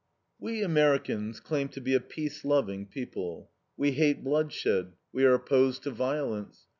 We Americans claim to be a peace loving people. We hate bloodshed; we are opposed to violence.